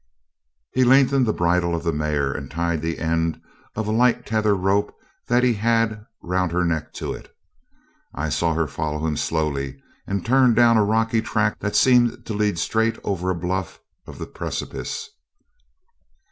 He had lengthened the bridle of the mare, and tied the end of a light tether rope that he had round her neck to it. I saw her follow him slowly, and turn down a rocky track that seemed to lead straight over a bluff of the precipice.